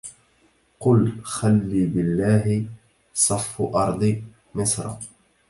قال خلي بالله صف أرض مصر